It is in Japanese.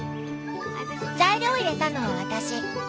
材料を入れたのは私。